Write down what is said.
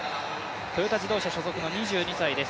トヨタ自動車所属の２２歳です。